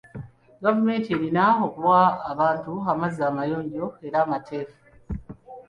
Gavumenti erina okuwa abantu amazzi amayonjo era amateefu.